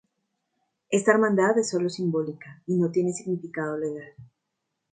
Esta hermandad es solo simbólica y no tiene significado legal.